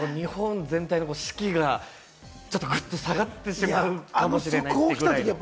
日本全体の士気がちょっと、ぐっと下がってしまうかもしれない。